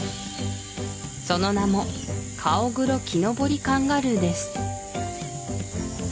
その名もカオグロキノボリカンガルーです